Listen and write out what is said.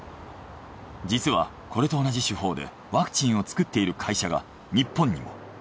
実はこれと同じ手法でワクチンを作っている会社が日本にも。